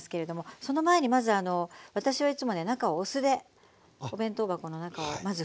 その前にまず私はいつもね中をお酢でお弁当箱の中をまず拭いて。